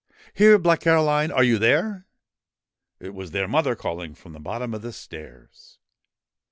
' Here ! Black Caroline ! Are you there ?' It was their mother calling from the bottom of the stairs.